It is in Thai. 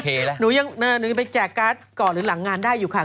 ก็ยังไปแจกการ์ดหรือหลังงานได้ได้อยู่ค่ะ